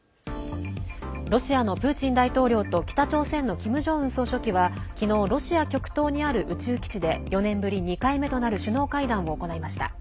ロシアのプーチン大統領と北朝鮮のキム・ジョンウン総書記は昨日ロシア極東にある宇宙基地で４年ぶり２回目となる首脳会談を行いました。